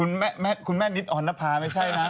นี่คุณแม่นิดอรภาไม่ใช่นะ